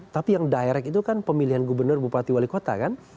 tapi yang direct itu kan pemilihan gubernur bupati wali kota kan